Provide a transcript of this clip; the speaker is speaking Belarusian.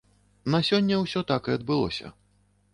На сёння ўсё так і адбылося.